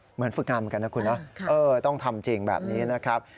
ฝึกงานเหมือนกันนะคุณนะต้องทำจริงแบบนี้นะครับ